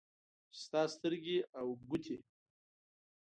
چې ستا سترګې او ګوټې